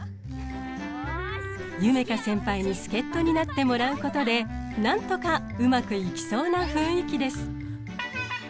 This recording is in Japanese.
夢叶先輩に助っとになってもらうことでなんとかうまくいきそうな雰囲気です。